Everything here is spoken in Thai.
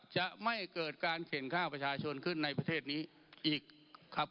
จะไม่เกิดการเข็นข้าวประชาชนขึ้นในประเทศนี้อีกครับ